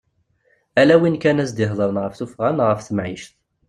Ala win kan ara as-d-ihedren ɣef tuffɣa neɣ ɣef temɛict.